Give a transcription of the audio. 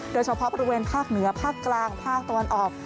โดยเฉพาะบริเวณภาคเหนือภาคกลางภาคตะวันออก